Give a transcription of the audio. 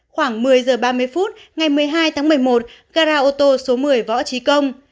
khoảng một mươi h ba mươi phút ngày một mươi hai tháng một mươi một gara ô tô số một mươi võ trí công